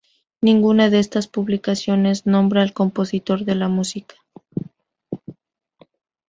Ninguna de estas publicaciones nombra al compositor de la música.